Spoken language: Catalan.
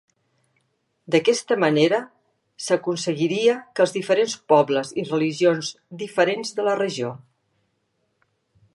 D'aquesta manera, s'aconseguiria que els diferents pobles i religions diferents de la regió.